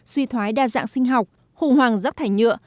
suy thoái đa dạng sinh học hùng hoàng rắc thải nhựa